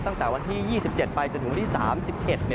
ตั้งแต่วันที่๒๗ไปจนถึงวันที่๓๑